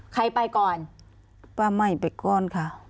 ใครไปก่อนป้าไหม้ไปก้อนค่ะ